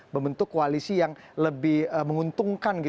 membentuk koalisi yang lebih menguntungkan